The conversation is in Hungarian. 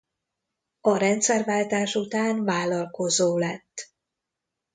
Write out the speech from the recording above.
A rendszerváltás után vállalkozó lett.